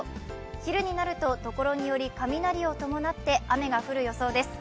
昼になると、ところにより雷を伴って雨が降る予想です。